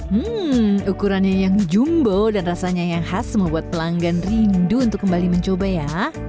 hmm ukurannya yang jumbo dan rasanya yang khas membuat pelanggan rindu untuk kembali mencoba ya